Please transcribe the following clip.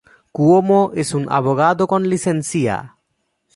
Cuomo es un abogado con licencia.